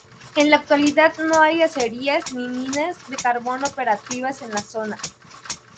En la actualidad no hay acerías ni minas de carbón operativas en la zona.